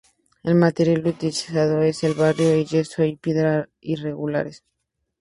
El material utilizado es el barro, el yeso y piedras irregulares.